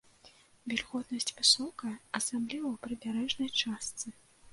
Вільготнасць высокая, асабліва ў прыбярэжнай частцы.